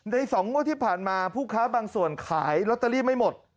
๒งวดที่ผ่านมาผู้ค้าบางส่วนขายลอตเตอรี่ไม่หมด